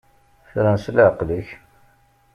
Fren s leɛqel-ik.